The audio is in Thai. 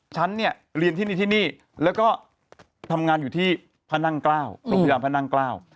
ฉันเนี่ยเรียนที่นี่แล้วก็ทำงานอยู่ที่พนังกล้าวโรคพยาบพนังกล้าว